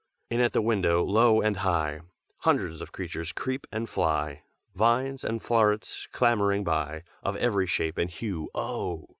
In at the window, low and high, Hundreds of creatures creep and fly, Vines and flowerets clambering by, Of every shape and hue, oh!